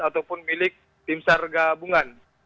ataupun milik tim sargabungan